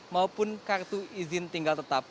maupun kartu izin tinggal tetap